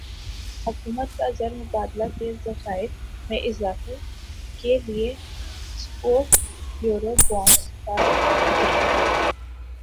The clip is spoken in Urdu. حکومت کازر مبادلہ کے ذخائر میں اضافے کےلیے سکوک یورو بانڈزکا اجراء